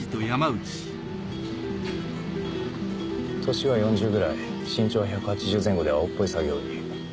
年は４０くらい身長は１８０前後で青っぽい作業着。